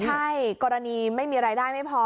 ใช่กรณีไม่มีรายได้ไม่พอ